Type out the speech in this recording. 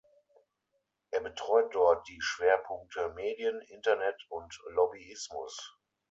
Er betreut dort die Schwerpunkte „Medien, Internet und Lobbyismus“.